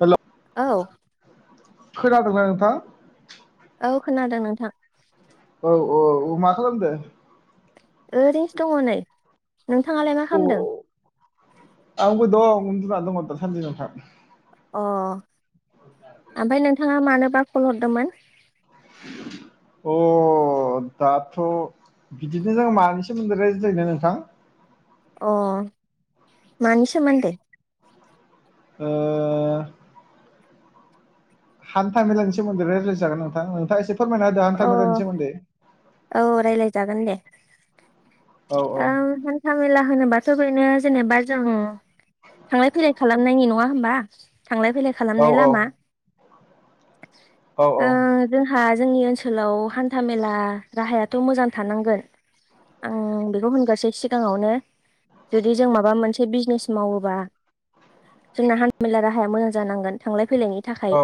हेल' औ। खोनादोंना नोंथां औ खोनादों नोंथां औ औ औ मा खालामदों? ओरैनोसो दंङ नै नोंथाङालाय मा अ खालामदों? आंबो द उन्दुनानै दा सान्दि नोंथां अ ओमफ्राय नोंथाङा मानोबा कल हरदोंमोन? अ अ दाथ बिदिनो जों मानि सोमोन्दैय रायज्लायनो नोंथां अ मानि सोमोन्दोय ओ हान्थामेलानि सोमोन्दैय रायलाय जागोन नोंथां नोंथाङा एसे फोरमायना होदों अ हान्था मेला नि सोमोन्दै रायलायजागोन दे औ हान्था मेला होनोबाथ बेनो जेनेबा जों थांलाय फैलाय खालामनायनि नंङा होनबा थांलाय फैलाय औ खालामनाय औ लामा औ ओ औ जोंहा जोंनि ओनसोलाव हान्था मेला राहायाथ' मोजां थानांगोन आं बेखौ होनगोरसै सिगांङावनो जुदि जों माबा मोनसे बिजनेस मावोबा जोंना हान्था मेला राहाया मोजां जानांगोनांगोन थांलाय फैलायनायनि औ थाखाय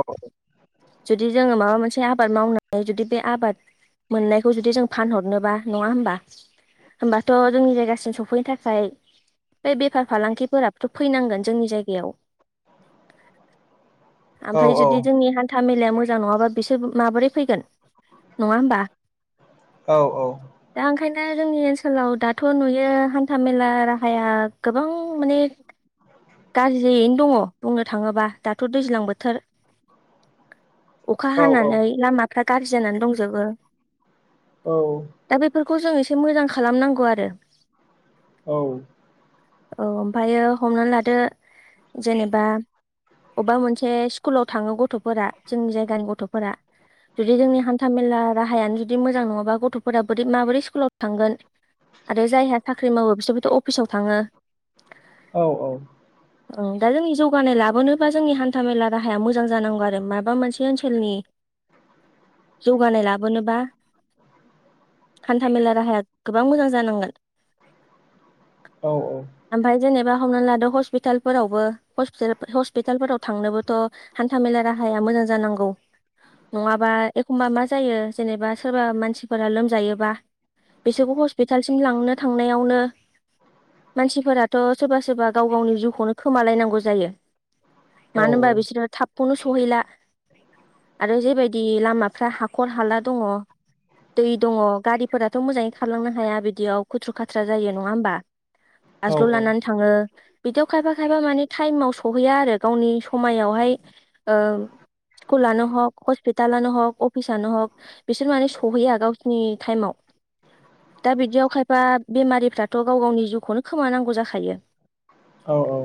जुदि जोंङो माबा मोनसे आबाद मावनानै जुदि बे आबाद मोननायखौ जुदि जों फानहरनोबा नंङा होमबा होमबाथ जोंनि जायगासिम सफैनो थाखाय बे बेफार फालांगिफोराबोथ फैनांगोन जोंनि जायगायाव औ ओमफ्राय जुदि जोंनि हान्थ खामिलाया मोजां नंङाबा बिसोर माबोरै फैगोन नंङा होमबा औ औ दा ओंखायनो जोंनि ओनसोलाव दाथ‌ नुयो हान्था मेला राहाया गोबां माने गाज्रि जायैनो दंङ बुंनो थाङोब्ला दाथ' दैज्लां बोथोर [inaudible] अखा औ हानानै लामाफ्रा गाज्रि जानानै दंजोबो औ दा बेफोरखौ जों इसे मोजां खालामनांगौ आरो औ औ ओमफ्रायो हमना लादो जेनेबा अबेबा मोनसे स्कुलाव थांङो गथफोरा जोंनि जायगानि गथफोरा जुदि जोंनि हान्था मेला राहायानो जुदि मोजां नङाबा गथफोरा बोरै माबोरै स्कुलाव थांगोन आरो जायहा साख्रि मावो बिसोरबोथ अफिसाव थाङो औ औ दा जोंनि जौगानाय लाबोनोबा जोंनि हान्था मेला राहाया मोजां जानांगौ आरो माबा मोनसे ओनसोलनि [inaudible] जौगानाय लाबोनोबा हान्थामेला राहाया गोबां मोजां जानांगोन औ औ ओमफ्रायफ्राय जेनेबा नानै ला हस्पिटालाव हस्पिटालफोरावांनोबोथ' हान्था मेला राहाया मोजां मोजां जांगौ नंङाबा एखमबा मा जायो जेनेबा सोरबा मानसिफोरा लोमजायोबा बिसोरखौ हस्पिटालसिम लांनो थांनायावनो मानसिफोराथ सोरबा सोरबा गाव गावनि जिउखौनो खोमालायनांगौ जायो मानो होनबा बिसोरो थाबखौनो सहैला आरो जेबायदि लामा फ्राय हाखर हाला दंङ दै दङ गारिफोराथ' मोजाङै खालामलांनो हाया बिदियाव खुथ्रु खाथ्रा जायो नङा होमबा? बासल' लानानै थाङो बिदियाव खायफा खायफा माने टाइमाव सहैया आरो गावनि समायावहाय ओ स्कुल आानो हक हस्पितालानो हक अफिसानो हक बिसोर माने सहैया गावसिनि टाइमाव। दा बिदियाव खायफा बेमारिफ्राथ' गाव गावनि जिउखौनो खोमानांगौ जाखायो। औ औ।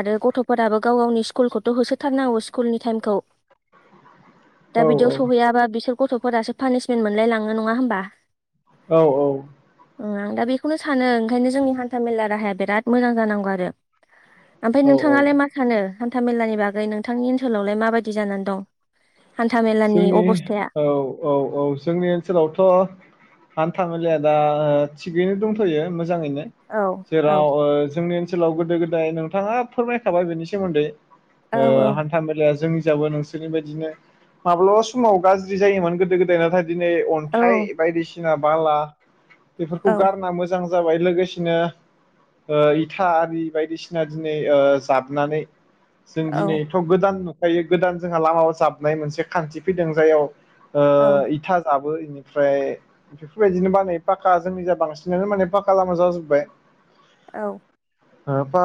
आरो गथ'फोराबो गाव गावनि स्कुलखौथ' होसोथारनांगौ स्कुलनि टाइमखौ। औ बिदियाव औ। सहैयाबा दा बिसोर गथ'फोरासो पानिसमेन्ट मोनलाय लाङो नङा होमबा? औ औ। आं दा बेखौनो सानो ओंखायनो जोंनि हान्था मेला राहाया बिराद मोजां जानांगौ आरो ओमफ्राय औ औ नोंथाङालाय मा सानो हान्था मेलानि बागै नोंथांनि ओनसोलावलाय माबायदि जानानै दं? औ [inaudible] हान्था मेलानि ए अबस्थाया औ औ-औ जोंनि ओनसोलावथ' आं हान्था मेलाया दा थिगैनो दंथ'यो मोजाङैनो औ औ जेराव ओ जोंनि ओनसोलाव गोदो गोदाय नोंथाङा फोरमायखाबाय बेनि सोमोन्दै औ औ ओ हान्था मेलाया जोंनि यावबो नोंसोरनि बायदिनो माब्लाबा समाव गाज्रि जायोमोन गोदो‌ गोदाय नाथाय दिनै अन्थाइ बायदिसिना बाला बेफोरखौ औ गारना मोजां जाबाय लोगोसेनो इथा आरि बायदिसिना दिनै जाबनानै जों औ दिनैथ' गोदान नुखायो गोदान जोंहा लामायाव जाबनाय मोनसे खान्थि फैदों जाययाव औ औ इथा जाबो बेनिफ्राय बेफोरबायदिनो बानायो पाक्का जोंनि जा बांसिनानो माने पाक्का लामा जाजोब्बाय। औ। बा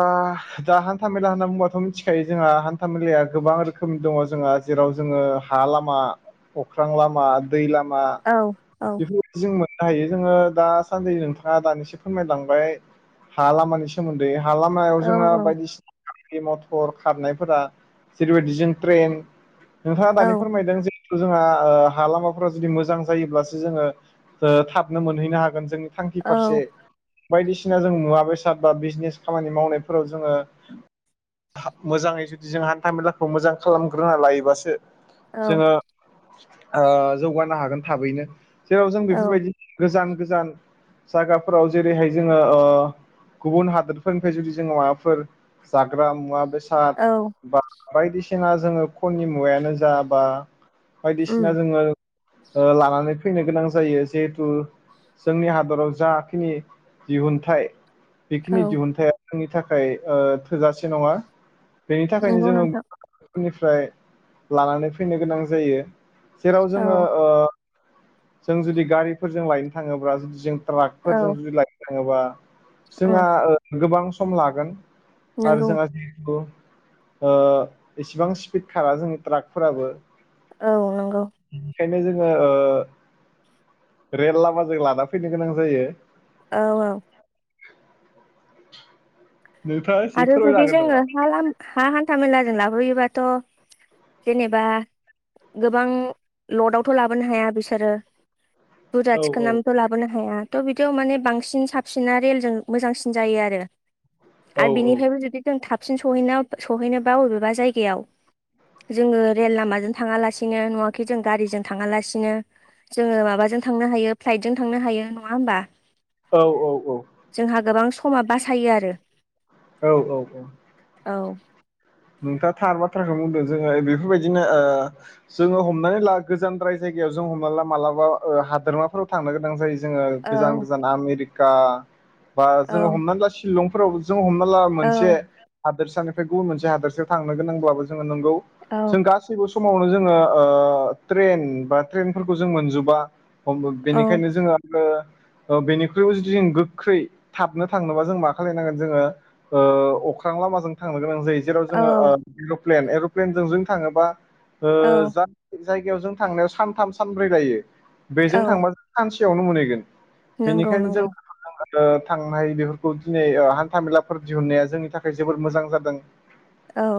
दा हान्था मेला होनना बुंबाथ' मिथिखायो जोंहा हान्था मेलाया गोबां रोखोमनि दङ जों बा जेराव जोङो हा लामा अख्रां लामा दै लामा औ बेफोरबायदि जों हायो जोङो दा सानदि नोंथाङा दानिसो फोरमायलांबाय हा लामानि सोमोन्दै हा लामायाव जोंहा औ बायदिसिना गारि मथर खारनायफोरा जेरैबायदि जों ट्रेन नोंथाङा दानि फोरमायदों जे जोंहा ओ हा लामाफोरा जुदि मोजां जायोब्लासो जोङो ओ थाबनो मोनहैनो हागोन जों थांखि फारसे बायदिसिना जों मुवा बेसाद बा बिजनेस खामानि मावनायफोराव जोङो मोजाङै जुदि जों हान्था मेलाखौ मोजां खालामग्रोना लायोबासो औ जोङो ओ जौगानो हागोन थाबैनो। जेराव जों औ बेफोरबायदि गोजान गोजान जायगाफोराव जेरैहाय जोङो ओ गुबुन हादोरफोरनिफ्राय जुदि जों माबाफोर जाग्रा मुवा बेसाद साद औ बा बायदिसिना जोङो खननि मुवायानो जा बा उम बायदिसिना जोङो ओ लानानै फैनो गोनां जायो जिहेथु जोंनि हादराव जाखिनि दिहुनथाइ बेखिनि औ दिहुनथाया जोंनि थाखाय ओ थोजासे नङा। बेनि थाखायनो नंगौ जोङो नोंथां [unintelligible] निफ्राय लानानै फैनो गोनां जायो। जेराव औ जोङो ओ जों जुदि गारिफोरजों लायनो थाङोब्ला जों औ ट्राकफोरजों जुदि लायनो थाङोबा उम जोंहा ओ गोबां सम लागोन। आरो नंगौ जोंहा जिहेथु ओ इसिबां स्पिड खारा जों ट्राकफोराबो औ नंगौ। बेखायनो जोङो ओ रेल लामाजों लाना फैनो गोनां जायो। औ औ। नोंथाङा एसे आरो फोरमायनो जुदि हागोन नामा? जोङो हा लाम हा हान्था मेलाजों लाबोयोबाथ' जेनेबा गोबां लडावथ' लाबोनो हाया बिसोरो बुरजा औ थिखो औ नानबो थ' लाबोनो हाया। थ' बिदियाव माने बांसिन साबसिना रेलजों मोजांसिन जायो आरो। औ आरो बिनिफ्रायबो जुदि जों थाबसिन सहैनायाव सहैनोबा अबेबा जायगायाव जोङो रेल लामाजों थाङालासिनो नङा खि जों गारिजों थाङालासिनो जोङो माबाजों थांनो हायो फ्लाइटजों थांनो हायो नङा होमबा? औ औ औ। खमा बासायो आरो औ औ औ। औ। नोंथाङा थार बाथ्राखौ बुंदों जोङो बेफोर बायदिनो ओ जोङो हमनानै ला गोजानद्राय जायगायाव जों हमना ला मालाबा ओ हादोमाफोराव थांनो गोनां जायो जोङो औ गोजान गोजान आमेरिका बा औ जोङो हमनानै ला सिलंफोरावबो जों हमना ला मोनसे औ हादोरसानिफ्राय गुबुन मोनसे हादोरसायाव थांनो गोनांब्लाबो जों नंगौ औ जों गासैबो समावनो जोङो ओ ट्रेन बा ट्रेनफोरखौ जों मोनजुबा। हम औ बेनिखायनो जोङो ओ ओ बेनिख्रुइबो जुदि जों गोख्रै थाबनो थांनोबा जों मा खालायनांगोन जोङो ओ अख्रां लामाजों थांनो गोनां जायो। जेराव जोङो ओ औ एर'प्लेन एर'प्लेनजों जों थाङोबा ओ औ जा जायगायाव जों थांनायाव सानथाम सानब्रै लायो बेजों औ थांबा जों सानसेयावनो मोनहैगोन। नंगौ बेनिखायनो जों नंगौ। ओ थांनाय बेफोरखौ दिनै हान्थामेलाफोर दिहुननाया जोंनि थाखाय जोबोर मोजां जादों। औ।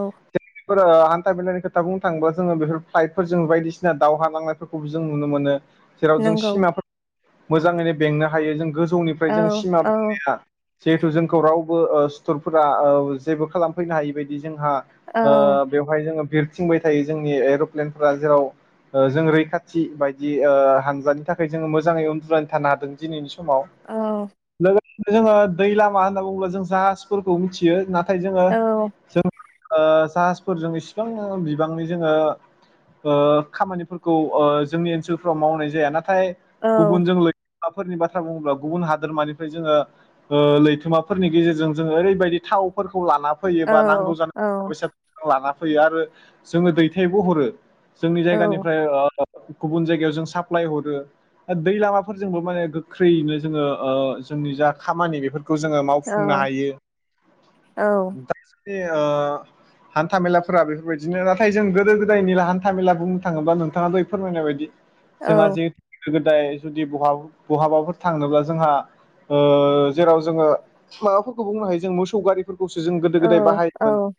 बेफोर हान्था मेलानि खोथा बुंनो थांङोब्ला जोंङो बेफोर फ्लाइटफोरजों जों बायदिसिना दावहा नांनायफोरखौबो जों नुनो मोनो। जेराव जों नंगौ सिमाफोर मोजाङैनो बेंनो हायो जों गोजौनिफ्राय औ जों सिमा औ बेंनाया जिहेथु जोंखौ रावबो ओ सुथुरफोरा ओ जेबो खालामफैनो हायै बायदि जोंहा औ ओ बेवहाय जोङो बिरथिंबाय थायो जोंनि ओ एरप्लेनफोरा जेराव ओ जों रैखाथि बायदि ओ हानजानि थाखाय जोङो मोजाङै उन्दुनानै थानो हादों दिनैनि समाव औ समाव लोगोसे जोङो दै लामा होनना बुङोब्ला जों जाहासफोरखौ मिथियो नाथाय नाथाय जोङो औ जों जाहासफोरजों इसिबां बिबांनि जोङो ओ खामानिफोरखौ ओ जोंनि ओनसोलफ्राव मावनाय जाया नाथाय औ गुबुनजों लोगोसे फोरनि बाथ्रा बुङोब्ला गुबुन हादोरमानिफ्राय जोङो ओ लैथोमाफोरनि गेजेरजों जोङो ओरैबायदि थावफोरखौ लाना फैयो औ बा नांगौ जानायफोरखौ लाना फैयो आरो जोङो दैथायबो हरो जोंनि औ जायगानिफ्राय ओ गुबुन जायगायाव जों साप्लाय हरो दै लामाफोरजोंबो माने गोख्रैनो जोङो ओ जोंनि जा खामानि बेफोरखौ जोङो मावफुंनो हायो। बे ओ हान्था मेलाफोरा बेफोरबायदिनो नाथाय जों गोदो गोदायनि हान्था मेला बुंनो थाङोब्ला नोंथाङा दा फोरमायनाय बायदि जोंहा औ जिहेतु गोदो गोदाय जुदि बहाबाफोर थांनोब्ला जोंहा ओ जेराव जोङो माबाफोरखौ बुंनो हायो जों मोसौ गारिफोरखौसो जों गोदो गोदाय औ बाहायोमोन औ।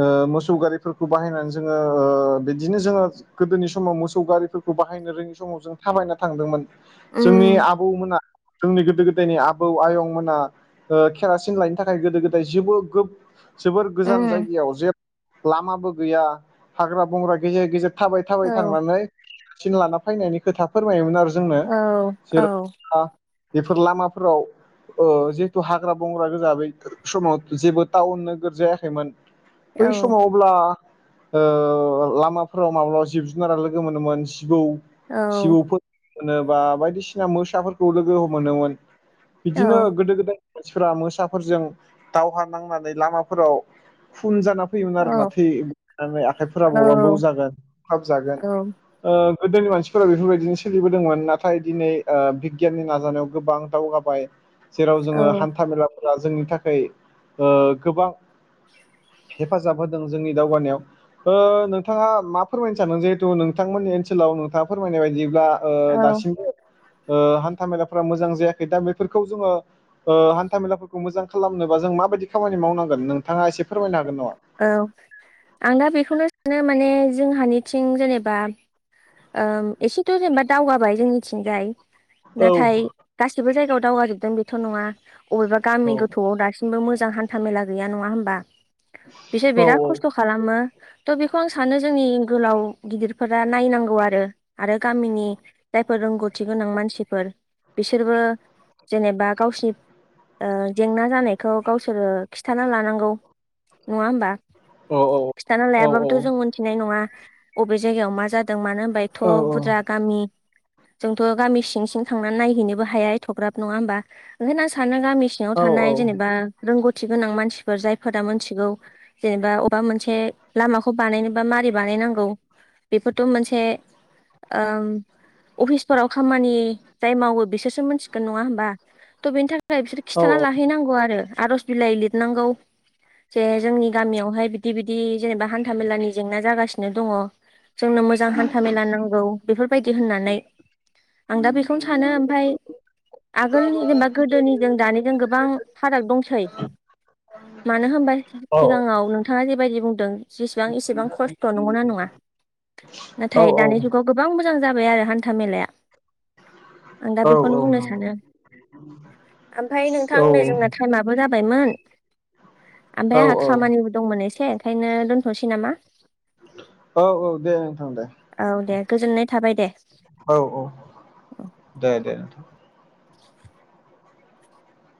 ओ मोसौ गारिफोरखौ बाहायनानै जोङो ओ बिदिनो जोङो गोदोनि समाव मोसौ गारिफोरखौ बाहायनो रोङै समाव जों थाबायना थांदोंमोन जोंनि उम आबौमोना। जोंनि गोदो गोदायनि आबौ आयंमोना ओ केेरासिन लायनो थाखाय गोदो गोदाय जेबो जोबोर गोजान उम जायगायाव जे लामाबो गैया हाग्रा बंग्रा गेजेर गेजेर। थाबाय औ थाबाय थांनानै थिन लाना फैनायनि खोथा फोरमायोमोन आरो जोंनो औ औ जेरै [unintelligible] बेफोर लामाफोराव ओ जिहेथु हाग्रा बंग्रा गोजा बै समाव जेबो टाउन नोगोर जायाखैमोन औ बै समाव अब्ला ओ लामाफोराव माब्लाबा जिब जुनारा लोगो मोनोमोन जिबौ औ जिबौफोर मोनो बा बायदिसिना मोसाफोरखौ लोगो मोनोमोन। बिदिनो गोदो गोदायनि मानसिफोरा मोसाफोरजों दावहा नांनानै लामाफोराव खुन जाना फैयोमोन आरोना थै ओ आखाइफोरा बबावबा बौव जागोन खाम जागोन औ ओ गोदोनि मानसिफोरा बेफोरबायदिनो सोलिबोदोंमोन नाथाय दिनै ओ बिगियाननि नाजानायाव गोबां दावगाबाय जेराव जोङो हान्था मेलाफोरा जोंनि थाखाय ओ गोबां हेफाजाब होदों जोंनि दावगानायाव, ओ नोंथाङा मा फोरमायनो सानो जिहेथु नोंथां मोनि ओनसोलाव नोंथाङा फोरमायनाय बायदिब्ला ओ औ दासिमबो ओ हान्थामेलाफोरा मोजां जायाखै दा बेफोरखौ जोङो ओ हान्था मेलाफोरखौ मोजां खालामनोबा जों माबायदि खामानि मावनांगोन नोंथाङा एसे फोरमायनो हागोन नामा? औ आं दा बेखौनो सानो माने जोंहानिथिं जेनेबा ओम एसेथ' जेनेबा दावगाबाय जोंनिथिंजाय औ नाथाय गासिबो जायगायाव दावगाजोबदों बेथ' नङा अबेबा गामि औ गोथौआव दासिम बो मोजां हान्था मेला गैया नङा होमबा? बिसोर औ बिराद खस्थ खालामो। थ' बेखौ आं सानो जोंनि गोलाव गिदिरफोरा नायनांगौ आरो आरो गामिनि जायफोर रोंगौथि गोनां मानसिफोर बिसोरबो जेनेबा गावसि ओ जेंना जानायखौ गावसोरो खिथाना लानांगौ। नङा होमबा औ खिथाना औ लायाबाबोथ' जों मोन्थिनाय नङा अबे जायगायाव मा जाद् दों मानो होनबा एथ' औ बुरजा गामि जोंथ' गामि सिं सिं थांनानै नायहैनोबो हाया एथ'ग्राब नङा होमबा ओंखायनो आं सानो गामि सिङाव थानाय औ जेनेबा रोंग'थि गोनां मानसिफोर जायफोरा मोनथि गौ जेनेबा अब्बा मोनसे लामाखौ बानायनोबा मारै बानायनांगौ बेफोरथ' मोनसे ओम अफिसफोराव खामानि जाय मावो बिसोरसो मोनथिगोन नङा होमबा थ' बेनि था खाय बिसोर औ खिथाना लाहैनांगौ आरो आर'ज बिलाइ लिरनांगौ जे जोंनि गामियावहाय बिदि बिदि जेनेबा हान्था मेलानि जेंना जागासिनो दङ' जोंनो मोजां हान्था मेला नांगौ बेफोरबायदि होननानै आं दा बेखौनो सानो ओमफाय आगोलनि जेनेबा गोदोनिजों दानिजों गोबां फाराग दंसै, मानो होमबा सिगाङाव नों थाङा जेबायदि बुंदों जेसेबां इसेबां खस्थ' नंगौना नङा? नाथाय दानि जुगाव गोबां मोजां जाबाय आरो हान्था मेलाया। आं दा बेखौनो बुंनो सानो। ओमफाय नोंथां नै जोंना औ टाइमाबो जाबायमोन आमफाय आंहा खामानिबो दंमोन एसे ओंखायनो दोनथ'नसै नामा? औ औ दे नोंथां दे औ। दे गोजोननाय थाबाय दे औ औ दे दे नोंथां।